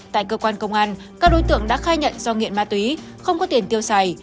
tại cơ quan công an các đối tượng đã khai nhận do nghiện ma túy không có tiền tiêu xài